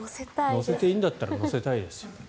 乗せていいんだったら乗せたいですよ。